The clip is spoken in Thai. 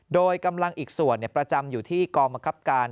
โดยกำลังอีกส่วนประจำอยู่ที่กองบังคับการ